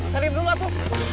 seri dulu aku